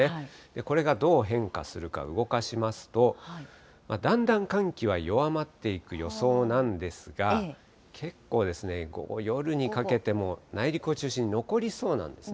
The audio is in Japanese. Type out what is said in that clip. これがどう変化するか、動かしますと、だんだん寒気は弱まっていく予想なんですが、結構、夜にかけても内陸を中心に残りそうなんですね。